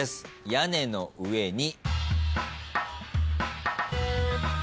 屋根の上に。